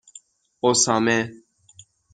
اُسامه